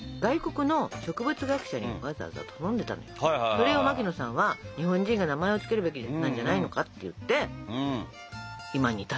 それを牧野さんは日本人が名前を付けるべきなんじゃないのかって言って今に至ってるわけよ。